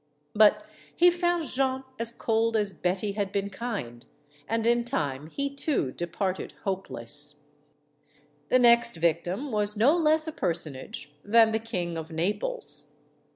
But he found Jeanne as cold as Betty had been kind, and in time he, too, departed, hopeless. MADAME RECAMIER 243 The next victim was no less a personage than the King of Naples.